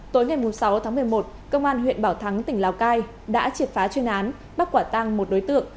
tối ngày sáu tháng một mươi một công an huyện bảo thắng tỉnh lào cai đã triệt phá chuyên án bắt quả tăng một đối tượng